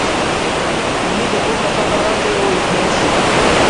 انیں جدوں پتہ لغا کہ او ایتھیں ایسی